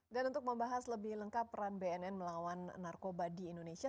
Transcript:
dan untuk membahas lebih lengkap peran bnn melawan narkoba di indonesia